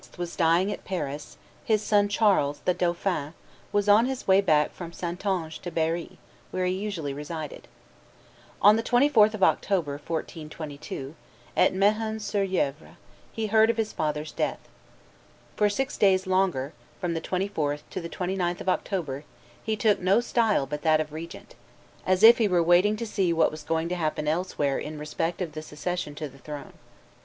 was dying at Paris, his son Charles, the dauphin, was on his way back from Saintonge to Berry, where he usually resided. On the 24th of October, 1422, at Mehun sur Yevre, he heard of his father's death. For six days longer, from the 24th to the 29th of October, he took no style but that of regent, as if he were waiting to see what was going to happen elsewhere in respect of the succession to the throne.